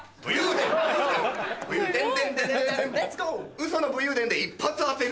ウソの武勇伝で一発当てる。